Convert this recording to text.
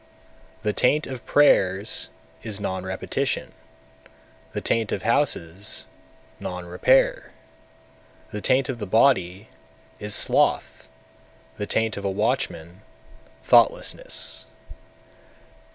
241. The taint of prayers is non repetition; the taint of houses, non repair; the taint of the body is sloth; the taint of a watchman, thoughtlessness.